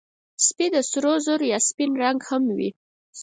سپي د سرو زرو یا سپینو رنګه هم وي.